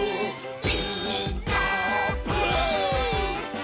「ピーカーブ！」